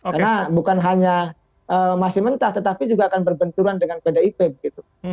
karena bukan hanya masih mentah tetapi juga akan berbenturan dengan bdip begitu